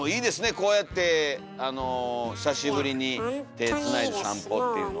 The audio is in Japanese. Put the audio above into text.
こうやって久しぶりに手つないで散歩っていうの。